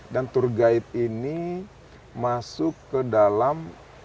dan tour guide ini masuk ke dalam